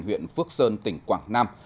huyện phước sơn tỉnh quảng nam